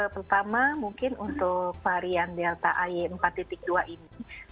pertama mungkin untuk varian delta ay empat dua ini